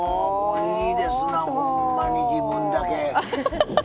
いいですなほんまに自分だけ。